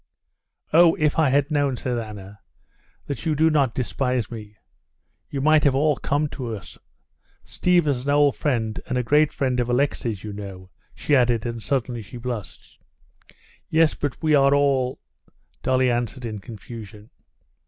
"Oh, if I had known," said Anna, "that you do not despise me!... You might have all come to us. Stiva's an old friend and a great friend of Alexey's, you know," she added, and suddenly she blushed. "Yes, but we are all...." Dolly answered in confusion.